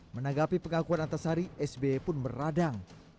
menanggapi pengakuan antasari sbi pun meradang